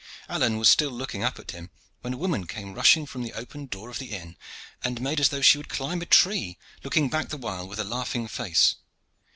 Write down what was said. Alleyne was still looking up at him, when a woman came rushing from the open door of the inn, and made as though she would climb a tree, looking back the while with a laughing face.